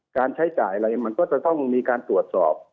การใช้จ่ายอะไรมันก็จะต้องมีการตรวจสอบ